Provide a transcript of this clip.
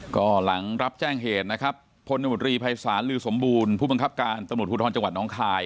ก็หลังรับแจ้งเหตุนะครับพลตมตรีภัยศาลลือสมบูรณ์ผู้บังคับการตำรวจภูทรจังหวัดน้องคาย